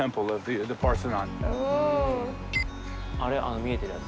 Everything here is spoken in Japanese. あれあの見えてるやつ。